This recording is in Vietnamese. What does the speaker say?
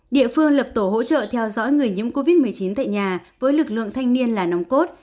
địa phương lập tổ hỗ trợ theo dõi người nhiễm covid một mươi chín tại nhà với lực lượng thanh niên là nòng cốt